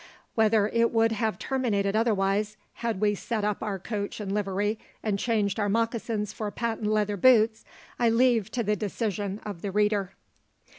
Whether it would have terminated otherwise had we set up our coach and livery and changed our moccasins for patent leather boots I leave to the decision of the reader.